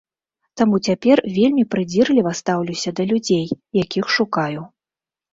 Таму цяпер вельмі прыдзірліва стаўлюся да людзей, якіх шукаю.